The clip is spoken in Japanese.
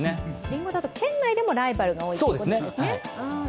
りんごだと県内でもライバルが多いということですね。